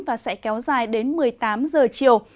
và sẽ kéo dài đến một mươi tám giờ chiều